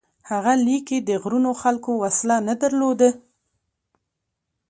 هغه لیکي: د غرونو خلکو وسله نه درلوده،